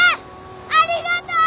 ありがとう！